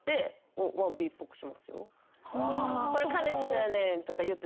「これ彼氏のやねん」とか言って。